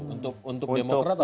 untuk demokrat atau